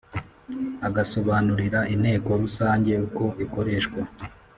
agasobanurira inteko rusange uko ikoreshwa